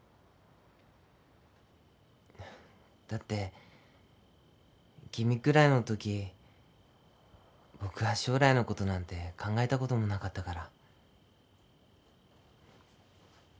だって君くらいのとき僕は将来のことなんて考えたこともなかったから。